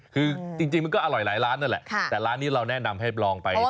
คือจริงมันก็อร่อยหลายร้านนั่นแหละแต่ร้านนี้เราแนะนำให้ลองไป